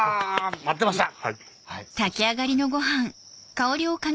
待ってました！